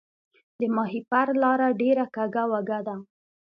د ماهیپر لاره ډیره کږه وږه ده